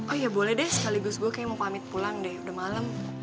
oh ya boleh deh sekaligus gue kayak mau pamit pulang deh udah malem